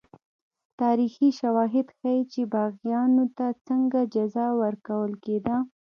تاریخي شواهد ښيي چې باغیانو ته څنګه جزا ورکول کېده.